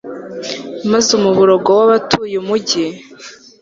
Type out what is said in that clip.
maze umuborogo w'abatuye umugi